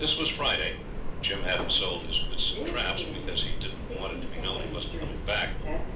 This was Friday. Jim hadn't sold his bits of traps, because he didn't want it to be known he wasn't coming back.